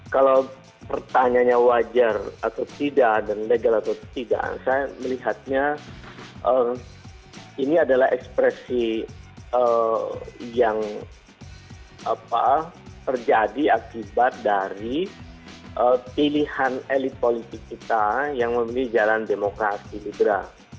kalau pertanyaannya wajar atau tidak dan legal atau tidak saya melihatnya ini adalah ekspresi yang terjadi akibat dari pilihan elit politik kita yang memilih jalan demokrasi lidra